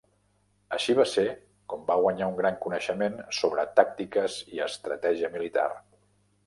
Així va ser com va guanyar un gran coneixement sobre tàctiques i estratègia militar.